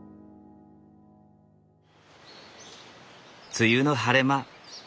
梅雨の晴れ間。